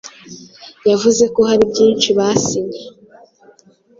yavuze ko hari byinshi basinye